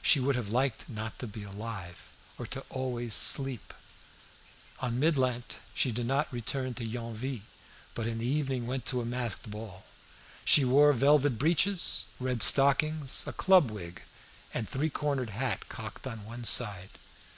She would have liked not to be alive, or to be always asleep. On Mid Lent she did not return to Yonville, but in the evening went to a masked ball. She wore velvet breeches, red stockings, a club wig, and three cornered hat cocked on one side.